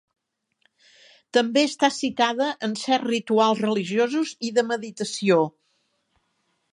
També està citada en certs rituals religiosos i de meditació.